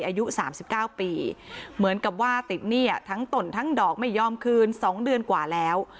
อายุ๓๙ปีเหมือนกับว่าติดหนี้ทั้งตนทั้งดอกไม่ยอมคืน๒เดือนกว่าแล้ว